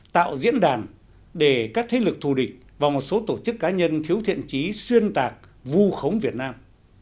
tạo diễn đàn để các thế lực thù địch và một số tổ chức cá nhân thiếu thiện trí xuyên tạc vu khống việt nam